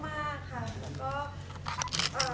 คือประทับใจมากค่ะ